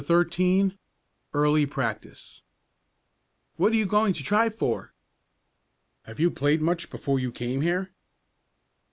CHAPTER XIII EARLY PRACTICE "What are you going to try for?" "Have you played much before you came here?"